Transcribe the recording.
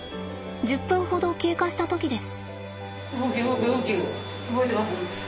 １０分ほど経過した時です。